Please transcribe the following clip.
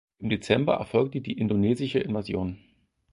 Im Dezember erfolgte die indonesische Invasion.